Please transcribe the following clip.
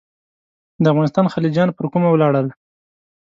د افغانستان خلجیان پر کومه ولاړل.